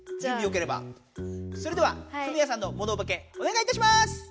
それではソニアさんのモノボケお願いいたします！